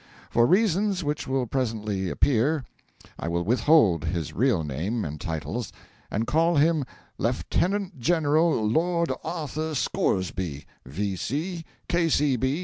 For reasons which will presently appear, I will withhold his real name and titles, and call him Lieutenant General Lord Arthur Scoresby, V.